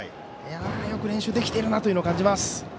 よく練習できているなと感じます。